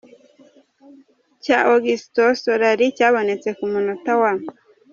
cya Augusto Solari cyabonetse ku munota wa